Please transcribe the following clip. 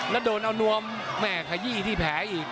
แล้วโดนเอานวมแม่ขยี้ที่แผลอีก